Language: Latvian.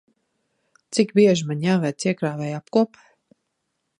Cik bieži man jāveic iekrāvēja apkope?